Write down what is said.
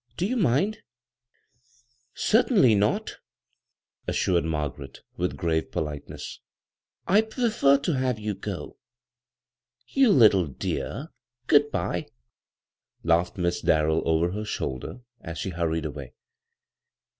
Do you mind ?" "Certingly not," assured Margaret, with grave [>oIitenees. " I pwefer to have you go." "You Uttle dear !— good bye !" laughed Miss Darrell over her shoulder; as she hurried •vay.